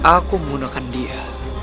aku menggunakan dia